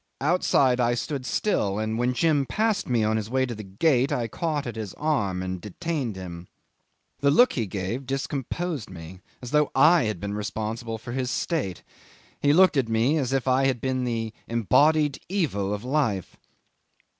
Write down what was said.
Outside I stood still, and when Jim passed me on his way to the gate, I caught at his arm and detained him. The look he gave discomposed me, as though I had been responsible for his state he looked at me as if I had been the embodied evil of life.